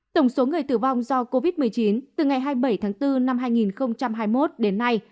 tổng số người tử vong do covid một mươi chín từ ngày hai mươi bảy tháng bốn năm hai nghìn hai mươi một đến nay